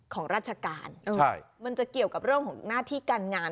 ของราชการมันจะเกี่ยวกับเรื่องของหน้าที่การงาน